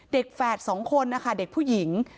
แฝด๒คนนะคะเด็กผู้หญิง